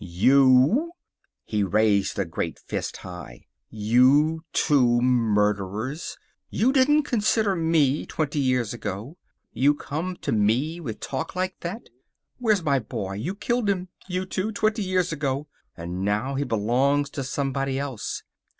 "You!" He raised a great fist high. "You two murderers! You didn't consider me, twenty years ago. You come to me with talk like that. Where's my boy! You killed him, you two, twenty years ago. And now he belongs to somebody else.